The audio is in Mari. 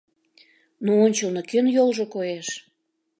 Но ончылно кӧн йолжо коеш?